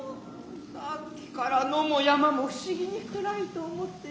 先刻から野も山も不思議に暗いと思つて居た。